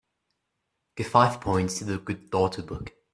Give five points to The Good Daughter book